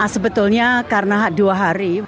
sebetulnya karena dua hari